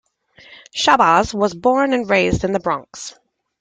Shabazz was born and raised in The Bronx.